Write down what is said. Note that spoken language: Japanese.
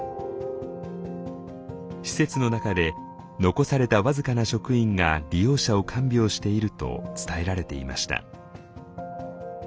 施設の中で残された僅かな職員が利用者を看病していると伝えられていました。